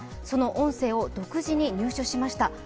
その音声を独自に入手しました。